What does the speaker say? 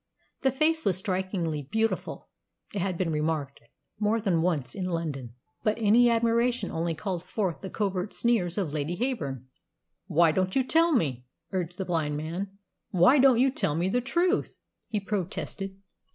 That face was strikingly beautiful, it had been remarked more than once in London; but any admiration only called forth the covert sneers of Lady Heyburn. "Why don't you tell me?" urged the blind man. "Why don't you tell me the truth?" he protested.